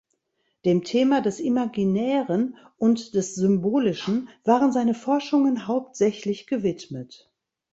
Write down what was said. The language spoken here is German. Dem Thema des Imaginären und des Symbolischen waren seine Forschungen hauptsächlich gewidmet.